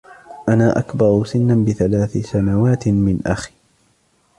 أنا أكبر سنّا بثلاث سنوات من أخي.